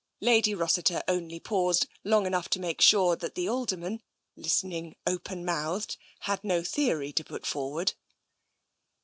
Lady Rossiter only paused long enough to make sure that the Alderman, listening open mouthed, had no theory to put forward.